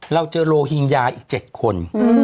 เราเจอโลหิงญาอีก๗คน